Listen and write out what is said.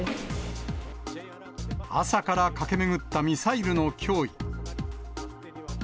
朝から駆け巡ったミサイルの脅威。